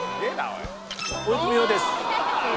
大泉洋です